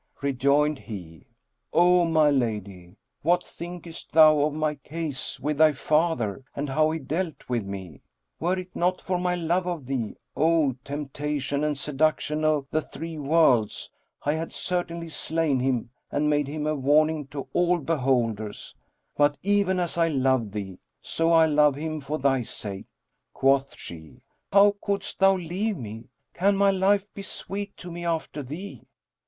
Rejoined he, "O my lady, what thinkest thou of my case with thy father and how he dealt with me? Were it not for my love of thee, O temptation and seduction of the Three Worlds, I had certainly slain him and made him a warning to all beholders; but, even as I love thee, so I love him for thy sake." Quoth she, "How couldst thou leave me: can my life be sweet to me after thee?"